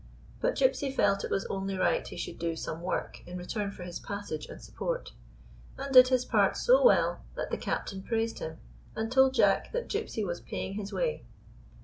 But Gypsy felt it was only right he should do some work in return for his passage and sup port, and did his part so well that the captain praised him, and told Jack that Gypsy was pay ing his way.